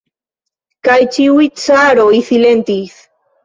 Kaj ĉiuj caroj silentis.